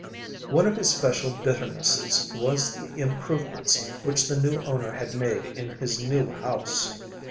One of his special bitternesses was the improvements which the new owner had made in his new house.